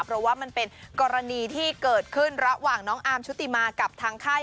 เพราะว่ามันเป็นกรณีที่เกิดขึ้นระหว่างน้องอาร์มชุติมากับทางค่าย